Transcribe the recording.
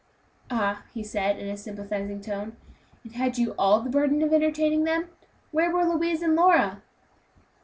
"Ah!" he said, in a sympathizing tone; "and had you all the burden of entertaining them? Where were Louise and Lora?"